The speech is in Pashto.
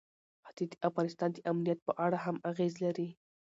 ښتې د افغانستان د امنیت په اړه هم اغېز لري.